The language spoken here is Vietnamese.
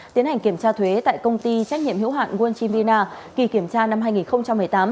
tiến hành kiểm tra thuế tại công ty trách nhiệm hữu hạn walchi vina kỳ kiểm tra năm hai nghìn một mươi tám